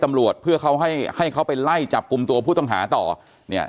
ตำรวจเพื่อเขาให้ให้เขาไปไล่จับกลุ่มตัวผู้ต้องหาต่อเนี่ย